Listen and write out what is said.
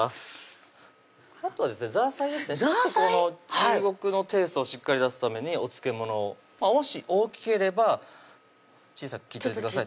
中国のテーストをしっかり出すためにお漬物をもし大きければ小さく切っといてください